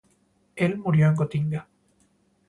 Él murió en Gotinga.